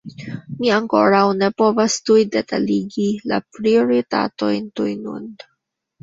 Mi ankoraŭ ne povas tuj detaligi la prioritatojn tuj nun.